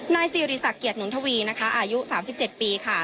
นายสิริสักเกียรติหนุนทวีนะคะอายุสามสิบเจ็ดปีค่ะ